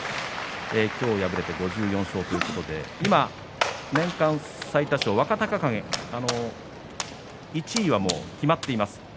今日敗れて５４勝ということで今、年間最多勝、若隆景１位はもう決まっています。